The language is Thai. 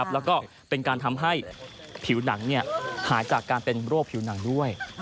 แล้วก็เป็นการทำให้ผิวหนังหายจากการเป็นโรคผิวหนังด้วย